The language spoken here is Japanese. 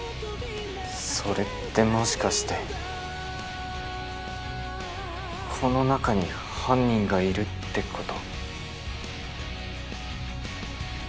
それってもしかしてこの中に犯人がいるってこと？